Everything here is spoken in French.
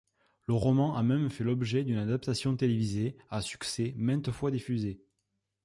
Le roman a même fait l'objet d'une adaptation télévisée à succès maintes fois diffusée.